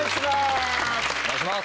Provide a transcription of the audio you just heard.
お願いします。